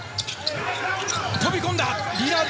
飛び込んだ。